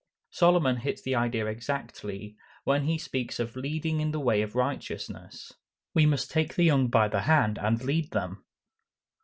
Solomon hits the idea exactly, when he speaks of "leading in the way of righteousness." We must take the young by the hand and lead them.